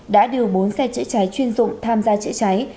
đã điều bốn xe chữa cháy chuyên dụng tham gia chữa cháy